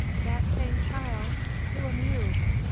"Dat same chile, who am you?